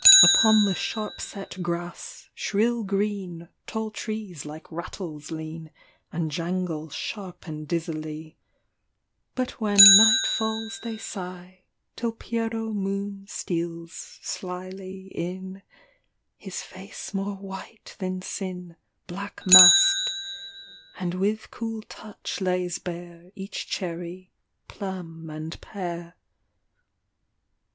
Upon the sharp set grass, shrill green Tall trees like rattles lean, And jangle sharp and dizzily ; But when night falls they sigh Till Pierrot moon steals slyly in, His face more white than sin Black masked, and with cool touch lays bare Each cherry, plum, and pear.